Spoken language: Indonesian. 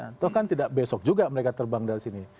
atau kan tidak besok juga mereka terbang dari sini